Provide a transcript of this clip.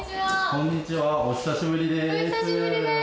こんにちはお久しぶりです。